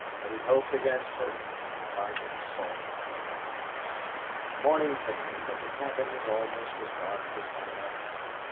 But he hoped against hope and finally sought his blankets. Morning came, but the cabin was almost as dark as by night.